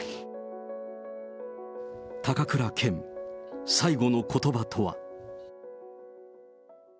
高倉健、最後のことばとは。